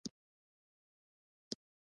د دین صریح منطق پر اساس دنیا لنډه ده.